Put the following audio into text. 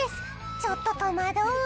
ちょっと戸惑う。